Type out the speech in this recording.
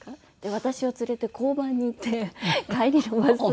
私を連れて交番に行って帰りのバス代。